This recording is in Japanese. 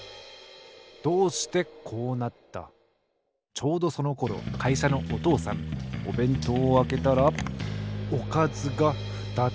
ちょうどそのころかいしゃのお父さんおべんとうをあけたらおかずがふたつ。